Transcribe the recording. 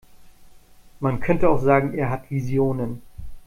Man könnte auch sagen, er hat Visionen.